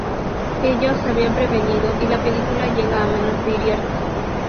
Ellos se habían prevenido y la película llega a manos de Iriarte.